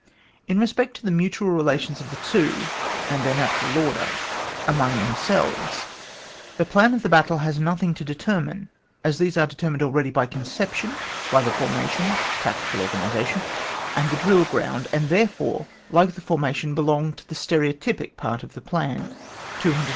In respect to the mutual relations of the two, and their natural order amongstthemselves, the plan of the battle has nothing to determine, as these are determined already by conception, by the formation (tactical organisation), and the drill g^und, and therefore, like the for mation, belong to the stereotypic part of the plui.